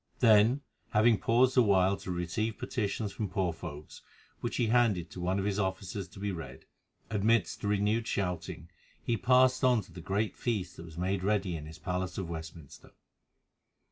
Then, having paused a while to receive petitions from poor folk, which he handed to one of his officers to be read, amidst renewed shouting he passed on to the great feast that was made ready in his palace of Westminster.